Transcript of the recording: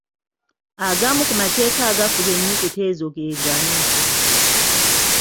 Agamu ku mateeka agafuga ennyukuta ezo ge gano.